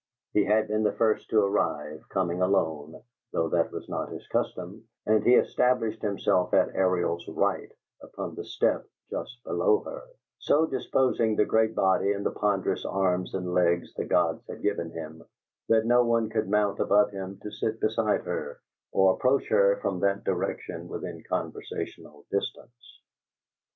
He had been the first to arrive, coming alone, though that was not his custom, and he established himself at Ariel's right, upon the step just below her, so disposing the great body and the ponderous arms and legs the gods had given him, that no one could mount above him to sit beside her, or approach her from that direction within conversational distance.